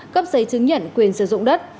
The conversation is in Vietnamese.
cấp giấy chứng nhận quyền sử dụng đất